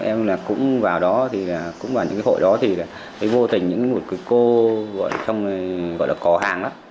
em là cũng vào đó cũng vào những cái hội đó thì là thấy vô tình những một cái cô gọi là có hàng đó